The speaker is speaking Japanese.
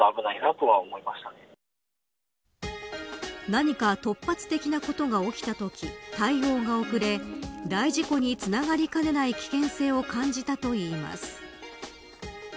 何か突発的なことが起きたとき対応が遅れ大事故につながりかねない危険性を感じたといいます。